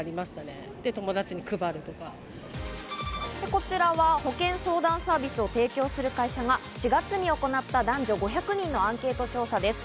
こちらは保険相談サービスを提供する会社が４月に行った男女５００人のアンケート調査です。